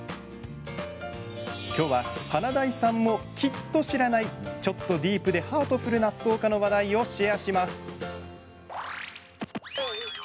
きょうは華大さんもきっと知らないちょっとディープでハートフルな福岡の話題をシェアします。